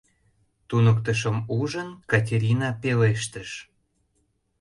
— туныктышым ужын, Катерина пелештыш.